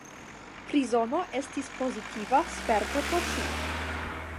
Prizono estis pozitiva sperto por ŝi.